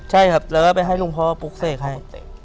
ใช่ครับแล้วก็ไปให้หลวงพ่อปลุกเสกให้